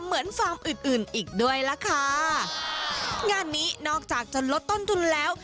ฟาร์มอื่นอื่นอีกด้วยล่ะค่ะงานนี้นอกจากจะลดต้นทุนแล้ว